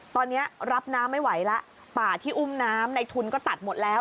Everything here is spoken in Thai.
ตอนนี้รับน้ำไม่ไหวแล้วป่าที่อุ้มน้ำในทุนก็ตัดหมดแล้ว